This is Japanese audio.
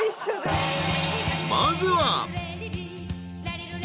［まずは］